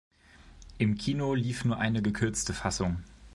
Im Kino lief nur eine gekürzte Fassung.